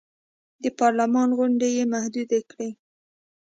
د پارلمان غونډې یې محدودې کړې.